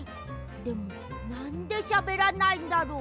でもなんでしゃべらないんだろう？